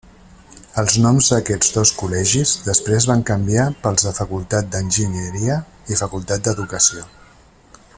Els noms d'aquests dos col·legis després van canviar pels de Facultat d'Enginyeria i Facultat d'Educació.